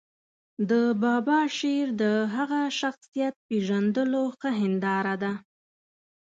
د بابا شعر د هغه شخصیت پېژندلو ښه هنداره ده.